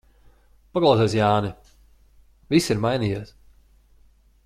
Paklausies, Jāni, viss ir mainījies.